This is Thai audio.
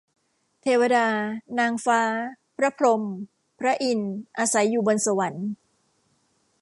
เทวดา นางฟ้า พระพรหม พระอินทร์ อาศัยอยู่บนสวรรค์